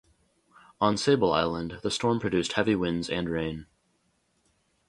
On Sable Island, the storm produced heavy winds and rain.